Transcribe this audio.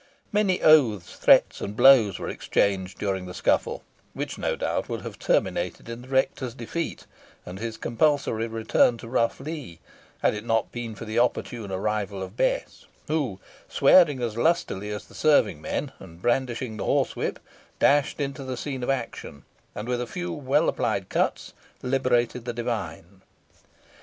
Many oaths, threats, and blows were exchanged during the scuffle, which no doubt would have terminated in the rector's defeat, and his compulsory return to Rough Lee, had it not been for the opportune arrival of Bess, who, swearing as lustily as the serving men, and brandishing the horsewhip, dashed into the scene of action, and, with a few well applied cuts, liberated the divine.